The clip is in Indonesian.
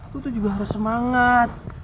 aku tuh juga harus semangat